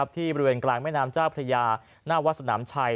บริเวณกลางแม่น้ำเจ้าพระยาหน้าวัดสนามชัย